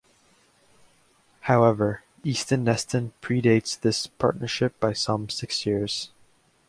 However, Easton Neston predates this partnership by some six years.